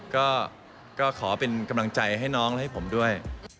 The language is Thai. ก็ขอเป็นกำลังใจให้น้องและให้ผมด้วย